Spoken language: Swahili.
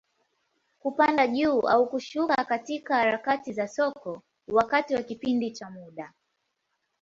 Kupanda juu au kushuka katika harakati za soko, wakati wa kipindi cha muda.